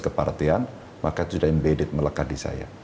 kepartian maka itu sudah embedded melekat di saya